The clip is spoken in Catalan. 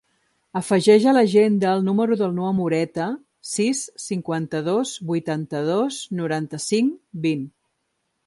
Afegeix a l'agenda el número del Noah Moreta: sis, cinquanta-dos, vuitanta-dos, noranta-cinc, vint.